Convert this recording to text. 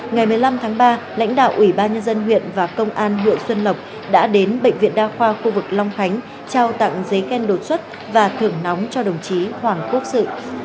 ngày một mươi năm tháng ba lãnh đạo ủy ban nhân dân huyện và công an huyện xuân lộc đã đến bệnh viện đa khoa khu vực long khánh trao tặng giấy khen đột xuất và thưởng nóng cho đồng chí hoàng quốc sự